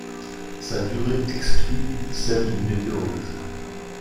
Sa durée exclut celle d'une météorite.